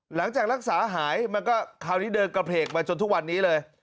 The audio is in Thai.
หลังจากรักษาหายมันก็คราวนี้เดินกระเพกมาจนทุกวันนี้เลย